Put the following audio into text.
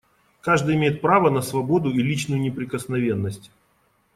Каждый имеет право на свободу и личную неприкосновенность.